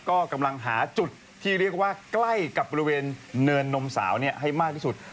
ก็กำลังหาจุดที่เรียกว่าใกล้กับบริเวณเนินนมสาวให้มากที่สุด